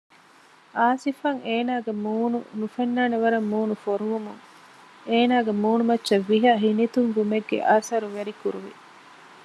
އާސިފްއަށް އޭނާގެ މޫނު ނުފެންނާނެ ވަރަށް މޫނު ފޮރުވުމުން އޭނާގެ މޫނުމައްޗަށް ވިހަ ހިނިތުންވުމެއްގެ އަސަރު ވެރިކުރުވި